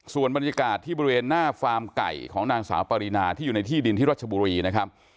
ส่วนบรรยากาศที่บริเวณหน้าฟาร์มไก่ของนางสาวปรินาที่อยู่ในที่ดินที่รัชบุรีนะครับ